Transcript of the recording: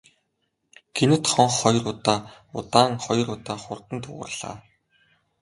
Гэнэт хонх хоёр удаа удаан, хоёр удаа хурдан дуугарлаа.